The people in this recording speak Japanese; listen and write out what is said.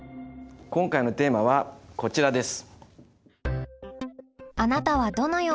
今回のテーマはこちらです！